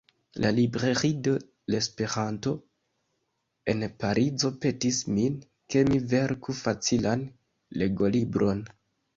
La "Librairie de l' Esperanto" en Parizo petis min, ke mi verku facilan legolibron.